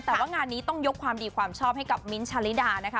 แต่ว่างานนี้ต้องยกความดีความชอบให้กับมิ้นท์ชาลิดานะคะ